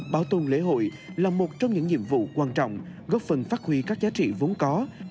bảo tồn lễ hội là một trong những nhiệm vụ quan trọng góp phần phát huy các giá trị vốn có